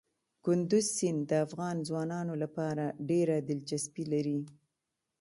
کندز سیند د افغان ځوانانو لپاره ډېره دلچسپي لري.